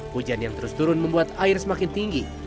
hujan yang terus turun membuat air semakin tinggi